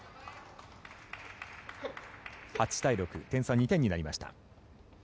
８対６点差は２点になりました。